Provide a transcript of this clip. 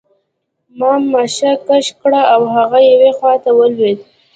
ما ماشه کش کړه او هغه یوې خواته ولوېد